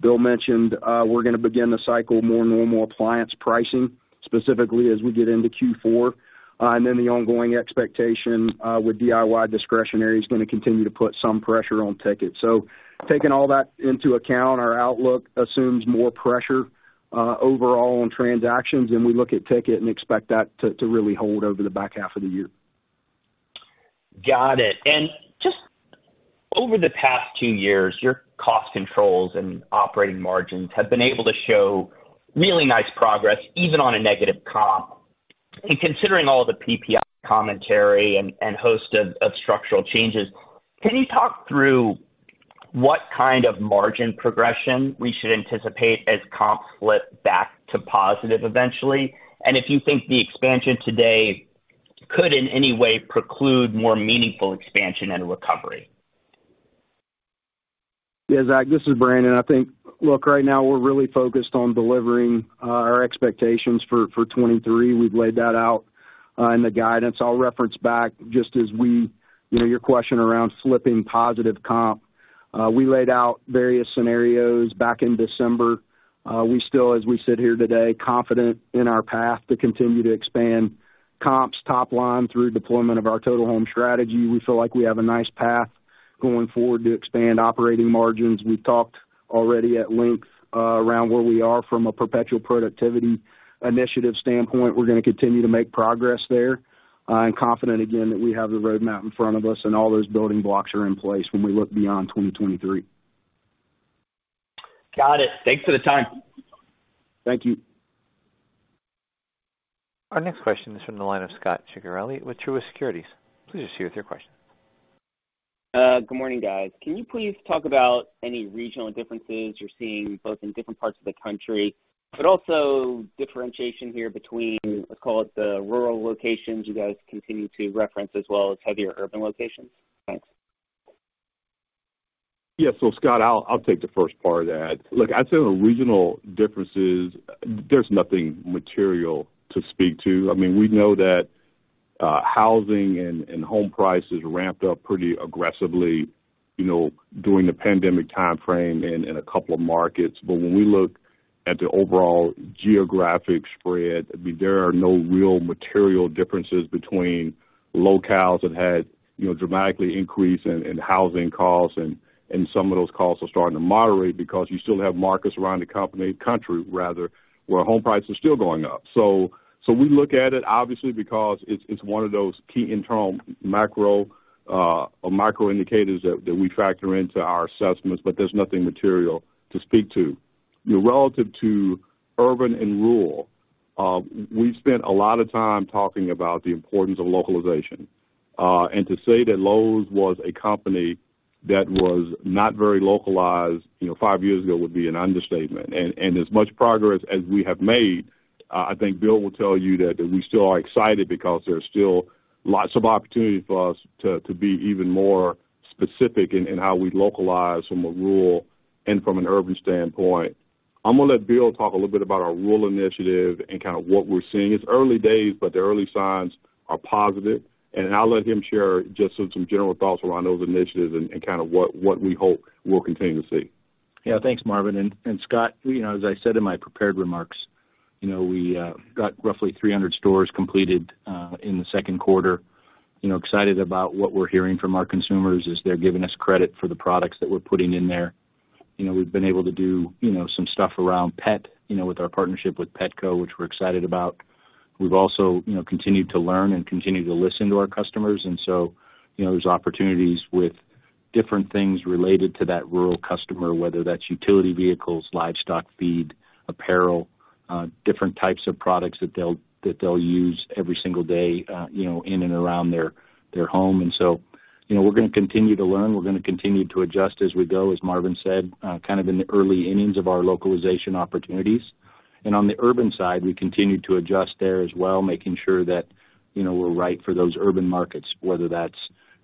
Bill mentioned, we're gonna begin to cycle more normal appliance pricing, specifically as we get into Q4. And then the ongoing expectation with DIY discretionary is gonna continue to put some pressure on ticket. Taking all that into account, our outlook assumes more pressure overall on transactions, and we look at ticket and expect that to really hold over the back half of the year. Got it. Just over the past two years, your cost controls and operating margins have been able to show really nice progress, even on a negative comp. Considering all the PPI commentary and host of structural changes, can you talk through what kind of margin progression we should anticipate as comps flip back to positive eventually? If you think the expansion today could, in any way, preclude more meaningful expansion and recovery? Yeah, Zachary Fadem, this is Brandon Sink. I think, look, right now we're really focused on delivering our expectations for 2023. We've laid that out in the guidance. I'll reference back just you know, your question around slipping positive comp. We laid out various scenarios back in December. We still, as we sit here today, confident in our path to continue to expand comps top line through deployment of our Total Home strategy. We feel like we have a nice path going forward to expand operating margins. We've talked already at length around where we are from a Perpetual Productivity initiative standpoint. We're gonna continue to make progress there, and confident again, that we have the roadmap in front of us, and all those building blocks are in place when we look beyond 2023. Got it. Thanks for the time. Thank you. Our next question is from the line of Scot Ciccarelli with Truist Securities. Please proceed with your question.... good morning, guys. Can you please talk about any regional differences you're seeing, both in different parts of the country, but also differentiation here between, let's call it, the rural locations you guys continue to reference, as well as heavier urban locations? Thanks. Yeah. Scot, I'll, I'll take the first part of that. Look, I'd say the regional differences, there's nothing material to speak to. I mean, we know that housing and home prices ramped up pretty aggressively, you know, during the pandemic timeframe in a couple of markets. When we look at the overall geographic spread, I mean, there are no real material differences between locales that had, you know, dramatically increase in housing costs, and some of those costs are starting to moderate because you still have markets around the country, rather, where home prices are still going up. We look at it, obviously, because it's one of those key internal macro or micro indicators that we factor into our assessments, there's nothing material to speak to. You know, relative to urban and rural, we've spent a lot of time talking about the importance of localization. To say that Lowe's was a company that was not very localized, you know, five years ago, would be an understatement. As much progress as we have made, I think Bill will tell you that, that we still are excited because there's still lots of opportunity for us to, to be even more specific in, in how we localize from a rural and from an urban standpoint. I'm gonna let Bill talk a little bit about our rural initiative and kind of what we're seeing. It's early days, but the early signs are positive, and I'll let him share just some, some general thoughts around those initiatives and, and kind of what, what we hope we'll continue to see. Yeah. Thanks, Marvin. Scot, you know, as I said in my prepared remarks, you know, we got roughly 300 stores completed in the second quarter. You know, excited about what we're hearing from our consumers, as they're giving us credit for the products that we're putting in there. You know, we've been able to do, you know, some stuff around pet, you know, with our partnership with Petco, which we're excited about. We've also, you know, continued to learn and continue to listen to our customers, and so, you know, there's opportunities with different things related to that rural customer, whether that's utility vehicles, livestock feed, apparel, different types of products that they'll use every single day, you know, in and around their, their home. So, you know, we're gonna continue to learn, we're gonna continue to adjust as we go. As Marvin said, kind of in the early innings of our localization opportunities. On the urban side, we continue to adjust there as well, making sure that, you know, we're right for those urban markets, whether that's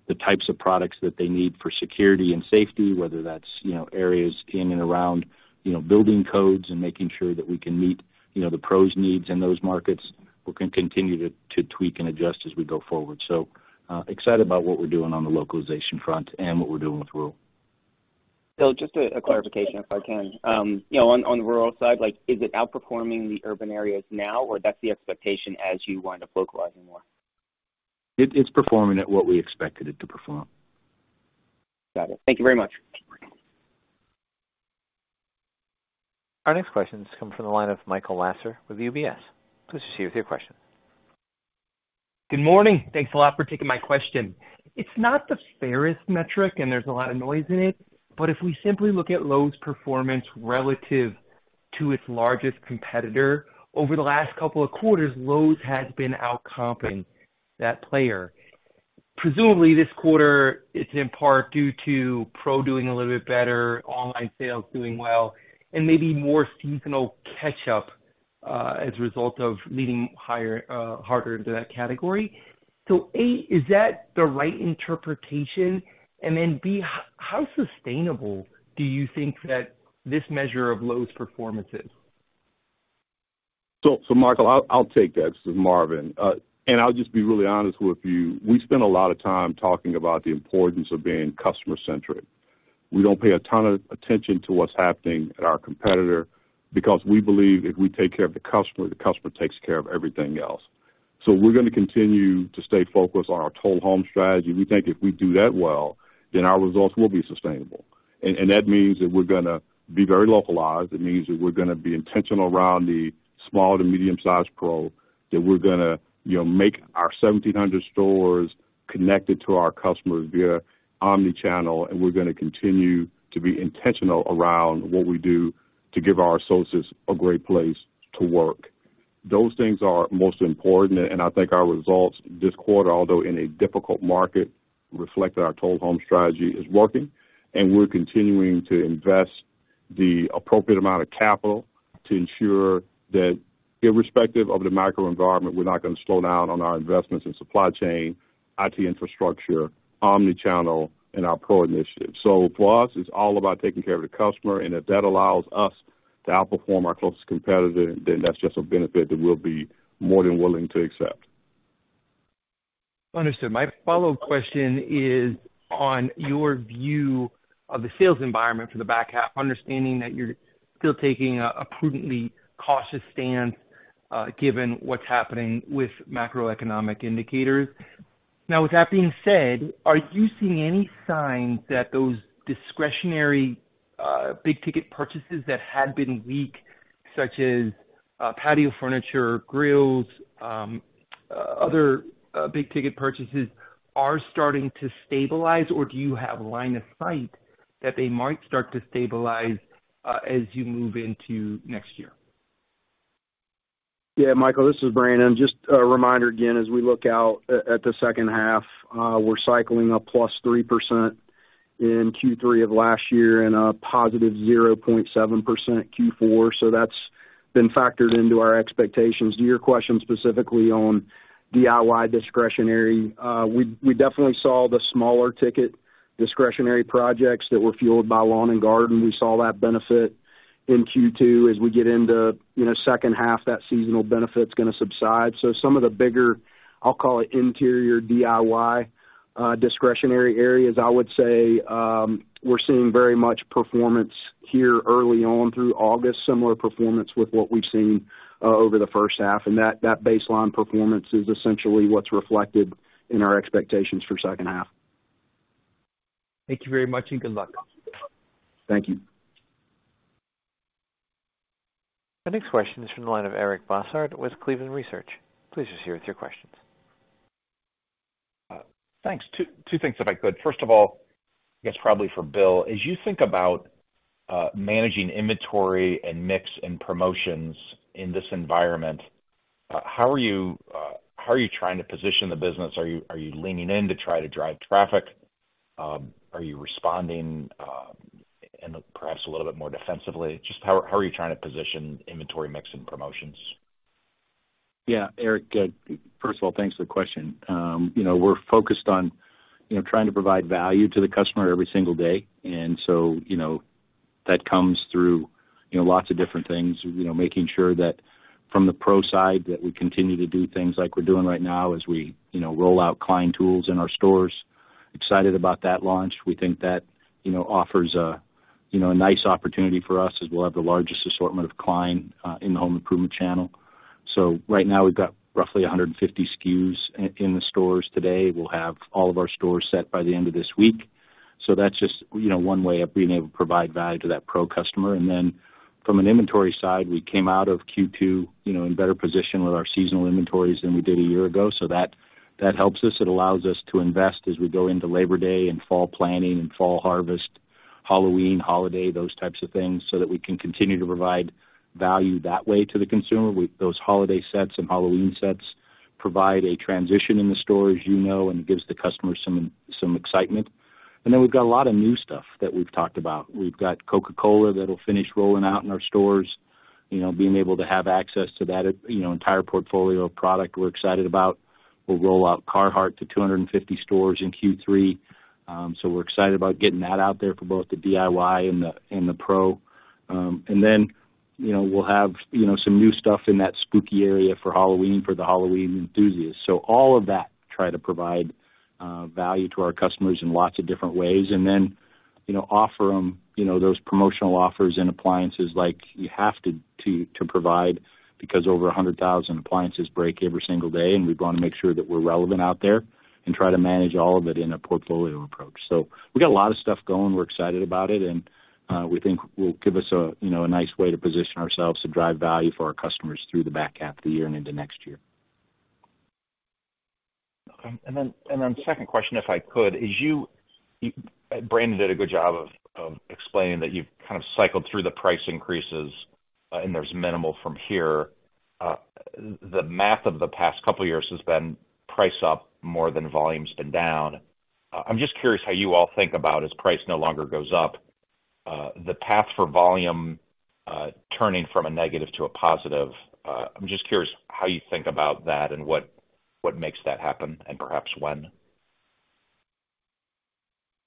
the types of products that they need for security and safety, whether that's, you know, areas in and around, you know, building codes and making sure that we can meet, you know, the pros needs in those markets. We're gonna continue to, to tweak and adjust as we go forward. So, excited about what we're doing on the localization front and what we're doing with rural. Bill, just a clarification, if I can. You know, on the rural side, like, is it outperforming the urban areas now, or that's the expectation as you wind up localizing more? It's performing at what we expected it to perform. Got it. Thank you very much. Our next question comes from the line of Michael Lasser with UBS. Please proceed with your question. Good morning. Thanks a lot for taking my question. It's not the fairest metric, and there's a lot of noise in it, but if we simply look at Lowe's performance relative to its largest competitor, over the last couple of quarters, Lowe's has been outcomping that player. Presumably, this quarter, it's in part due to Pro doing a little bit better, online sales doing well, and maybe more seasonal catch-up, as a result of leading higher, harder to that category. A, is that the right interpretation? B, how sustainable do you think that this measure of Lowe's performance is? So, so Michael, I'll, I'll take that. This is Marvin. I'll just be really honest with you, we spend a lot of time talking about the importance of being customer-centric. We don't pay a ton of attention to what's happening at our competitor, because we believe if we take care of the customer, the customer takes care of everything else. We're gonna continue to stay focused on our Total Home strategy. We think if we do that well, then our results will be sustainable. And that means that we're gonna be very localized. It means that we're gonna be intentional around the small to medium-sized Pro, that we're gonna, you know, make our 1,700 stores connected to our customers via omni-channel, and we're gonna continue to be intentional around what we do to give our associates a great place to work. Those things are most important. I think our results this quarter, although in a difficult market, reflected our Total Home strategy is working. We're continuing to invest the appropriate amount of capital to ensure that irrespective of the macro environment, we're not gonna slow down on our investments in supply chain, IT infrastructure, omnichannel, and our Pro initiatives. For us, it's all about taking care of the customer, and if that allows us to outperform our closest competitor, then that's just a benefit that we'll be more than willing to accept. Understood. My follow-up question is on your view of the sales environment for the back half, understanding that you're still taking a, a prudently cautious stance, given what's happening with macroeconomic indicators. Now, with that being said, are you seeing any signs that those discretionary, big-ticket purchases that had been weak, such as, patio furniture, grills, other, big-ticket purchases, are starting to stabilize? Or do you have line of sight that they might start to stabilize, as you move into next year? Yeah, Michael Lasser, this is Brandon Sink. Just a reminder again, as we look out at, at the second half, we're cycling a +3% in Q3 of last year and a positive 0.7% Q4. That's been factored into our expectations. To your question, specifically on DIY discretionary, we definitely saw the smaller ticket discretionary projects that were fueled by lawn and garden. We saw that benefit in Q2. As we get into, you know, second half, that seasonal benefit's gonna subside. Some of the bigger, I'll call it, interior DIY discretionary areas, I would say, we're seeing very much performance here early on through August, similar performance with what we've seen over the first half, and that, that baseline performance is essentially what's reflected in our expectations for second half. Thank you very much, and good luck. Thank you. The next question is from the line of Eric Bosshard with Cleveland Research. Please proceed with your questions. Thanks. Two, two things, if I could. First of all, I guess probably for Bill, as you think about managing inventory and mix and promotions in this environment, how are you trying to position the business? Are you leaning in to try to drive traffic? Are you responding, and perhaps a little bit more defensively? Just how are you trying to position inventory, mix, and promotions? Yeah, Eric, first of all, thanks for the question. You know, we're focused on, you know, trying to provide value to the customer every single day, and so, you know, that comes through, you know, lots of different things. You know, making sure that from the pro side, that we continue to do things like we're doing right now as we, you know, roll out Klein Tools in our stores. Excited about that launch. We think that, you know, offers a, you know, a nice opportunity for us as we'll have the largest assortment of Klein in the home improvement channel. Right now we've got roughly 150 SKUs in the stores today. We'll have all of our stores set by the end of this week. That's just, you know, one way of being able to provide value to that pro customer. Then from an inventory side, we came out of Q2, you know, in better position with our seasonal inventories than we did a year ago. That, that helps us. It allows us to invest as we go into Labor Day and fall planning and fall harvest, Halloween, holiday, those types of things, so that we can continue to provide value that way to the consumer. Those holiday sets and Halloween sets provide a transition in the store, as you know, and gives the customer some, some excitement. Then we've got a lot of new stuff that we've talked about. We've got The Coca-Cola Company that'll finish rolling out in our stores. You know, being able to have access to that, you know, entire portfolio of product we're excited about. We'll roll out Carhartt to 250 stores in Q3. We're excited about getting that out there for both the DIY and the, and the pro. You know, we'll have, you know, some new stuff in that spooky area for Halloween, for the Halloween enthusiasts. All of that try to provide value to our customers in lots of different ways. You know, offer them, you know, those promotional offers and appliances like you have to, to, to provide, because over 100,000 appliances break every single day, and we want to make sure that we're relevant out there and try to manage all of it in a portfolio approach. We've got a lot of stuff going. We're excited about it, and, we think will give us a, you know, a nice way to position ourselves to drive value for our customers through the back half of the year and into next year. Okay. Then, and then second question, if I could, is Brandon did a good job of, of explaining that you've kind of cycled through the price increases, and there's minimal from here. The math of the past couple of years has been price up more than volume's been down. I'm just curious how you all think about as price no longer goes up, the path for volume, turning from a negative to a positive. I'm just curious how you think about that and what, what makes that happen, and perhaps when?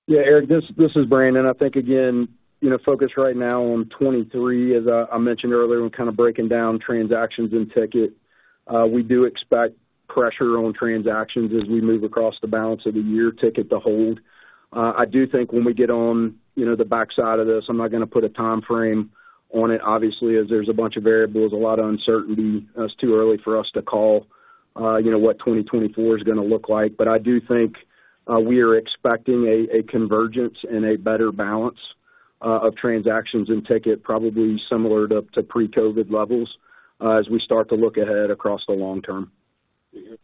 Yeah, Eric, this is Brandon. I think, again, you know, focus right now on 2023, as I mentioned earlier, when kind of breaking down transactions in ticket. We do expect pressure on transactions as we move across the balance of the year ticket to hold. I do think when we get on, you know, the backside of this, I'm not gonna put a time frame on it, obviously, as there's a bunch of variables, a lot of uncertainty. It's too early for us to call, you know, what 2024 is gonna look like. I do think, we are expecting a convergence and a better balance of transactions in ticket, probably similar to, up to pre-COVID levels, as we start to look ahead across the long term.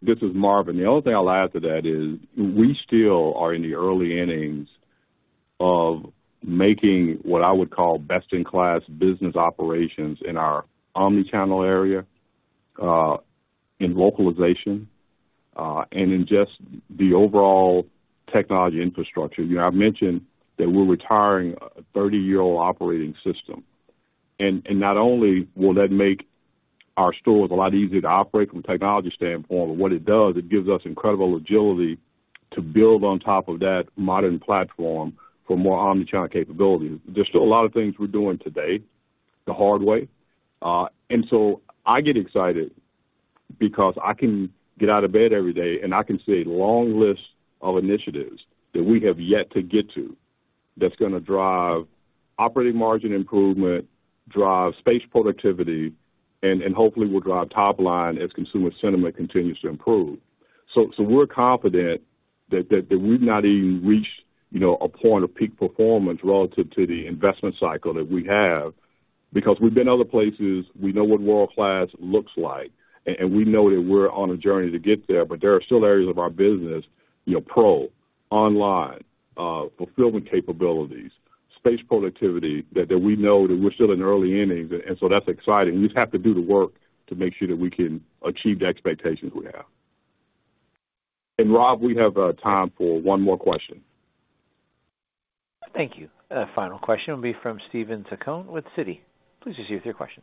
This is Marvin. The only thing I'll add to that is we still are in the early innings of making what I would call best-in-class business operations in our omnichannel area, in localization, and in just the overall technology infrastructure. You know, I've mentioned that we're retiring a 30-year-old operating system, not only will that make our stores a lot easier to operate from a technology standpoint, but what it does, it gives us incredible agility to build on top of that modern platform for more omnichannel capabilities. There's still a lot of things we're doing today, the hard way. I get excited because I can get out of bed every day, and I can see a long list of initiatives that we have yet to get to, that's gonna drive operating margin improvement, drive space productivity, and, and hopefully will drive top line as consumer sentiment continues to improve. We're confident that, that, that we've not even reached, you know, a point of peak performance relative to the investment cycle that we have, because we've been other places. We know what world-class looks like, and, and we know that we're on a journey to get there. There are still areas of our business, you know, pro, online, fulfillment capabilities-... space productivity that, that we know that we're still in early innings. That's exciting. We just have to do the work to make sure that we can achieve the expectations we have. Rob, we have time for one more question? Thank you. Final question will be from Steven Zaccone with Citi. Please proceed with your question.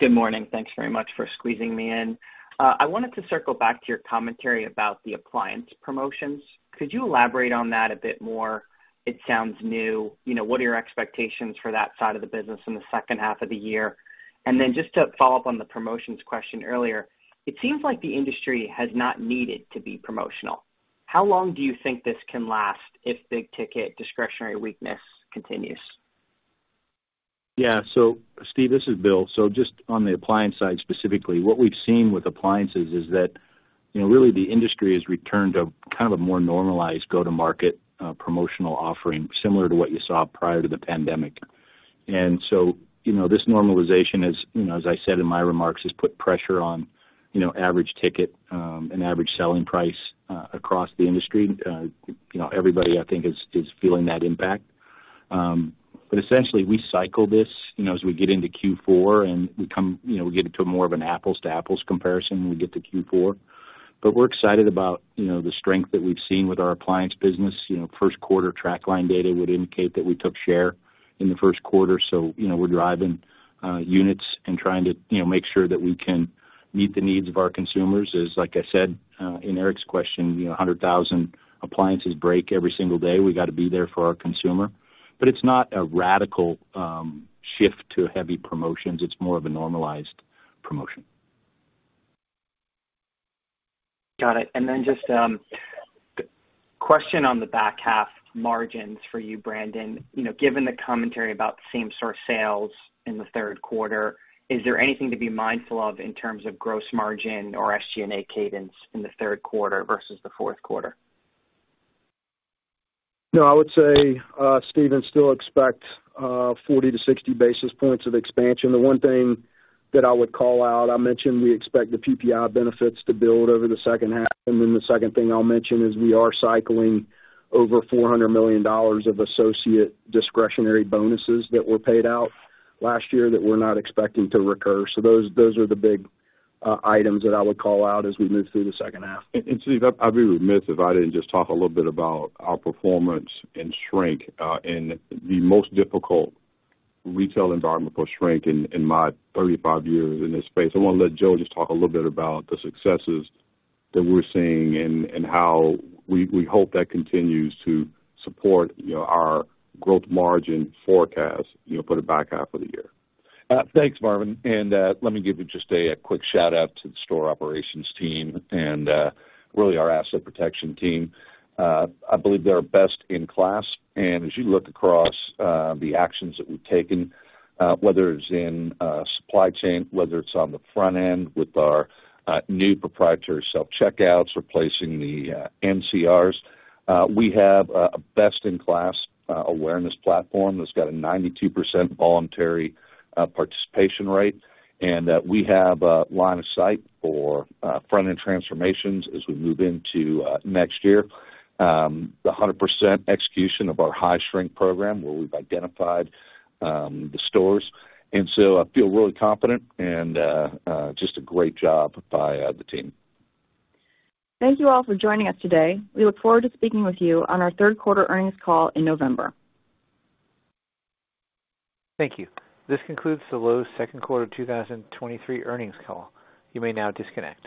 Good morning. Thanks very much for squeezing me in. I wanted to circle back to your commentary about the appliance promotions. Could you elaborate on that a bit more? It sounds new. You know, what are your expectations for that side of the business in the second half of the year? Then just to follow up on the promotions question earlier, it seems like the industry has not needed to be promotional. How long do you think this can last if big ticket discretionary weakness continues? Yeah. Steve, this is Bill. Just on the appliance side, specifically, what we've seen with appliances is that, you know, really the industry has returned to kind of a more normalized go-to-market, promotional offering, similar to what you saw prior to the pandemic. This normalization is, you know, as I said in my remarks, has put pressure on, you know, average ticket, and average selling price, across the industry. Everybody, I think, is, is feeling that impact. Essentially, we cycle this, you know, as we get into Q4 and we come, you know, we get into more of an apples to apples comparison when we get to Q4. We're excited about, you know, the strength that we've seen with our appliance business. You know, first quarter TraQline data would indicate that we took share in the first quarter. You know, we're driving units and trying to, you know, make sure that we can meet the needs of our consumers. As like I said, in Eric's question, you know, 100,000 appliances break every single day. We got to be there for our consumer. It's not a radical shift to heavy promotions. It's more of a normalized promotion. Got it. Just, question on the back half margins for you, Brandon. You know, given the commentary about same store sales in the third quarter, is there anything to be mindful of in terms of gross margin or SG&A cadence in the third quarter versus the fourth quarter? No, I would say, Steven, still expect 40-60 basis points of expansion. The one thing that I would call out, I mentioned we expect the PPI benefits to build over the second half. The second thing I'll mention is we are cycling over $400 million of associate discretionary bonuses that were paid out last year that we're not expecting to recur. Those, those are the big items that I would call out as we move through the second half. Steve, I'd be remiss if I didn't just talk a little bit about our performance in shrink, in the most difficult retail environment for shrink in, in my 35 years in this space. I want to let Joe just talk a little bit about the successes that we're seeing and, and how we, we hope that continues to support, you know, our growth margin forecast, you know, for the back half of the year. Thanks, Marvin, let me give you just a quick shout out to the store operations team and really our asset protection team. I believe they're best in class. As you look across the actions that we've taken, whether it's in supply chain, whether it's on the front end with our new proprietary self-checkouts, replacing the NCRs, we have a best-in-class awareness platform that's got a 92% voluntary participation rate. We have a line of sight for front-end transformations as we move into next year. The 100% execution of our high shrink program, where we've identified the stores. I feel really confident and just a great job by the team. Thank you all for joining us today. We look forward to speaking with you on our third quarter earnings call in November. Thank you. This concludes the Lowe's second quarter of 2023 earnings call. You may now disconnect.